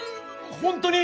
本当に！？